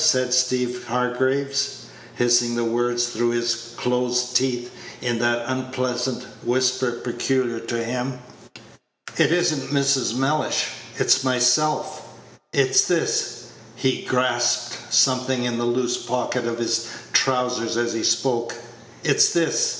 said Steeve Hargraves, hissing the words through his closed teeth in that unpleasant whisper peculiar to him. "It is n't Mrs. Mellish. It's myself. It's this" he grasped something in the loose pocket of his trowsers as he spoke "it's this.